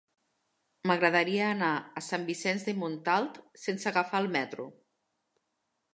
M'agradaria anar a Sant Vicenç de Montalt sense agafar el metro.